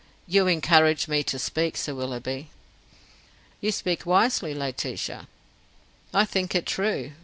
You encouraged me to speak, Sir Willoughby." "You speak wisely, Laetitia." "I think it true.